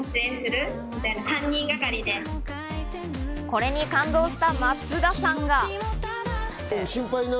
これに感動した松田さんが。